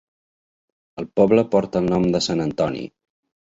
El poble porta el nom de Sant Antoni.